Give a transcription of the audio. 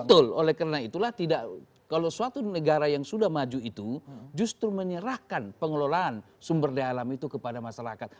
betul oleh karena itulah tidak kalau suatu negara yang sudah maju itu justru menyerahkan pengelolaan sumber daya alam itu kepada masyarakat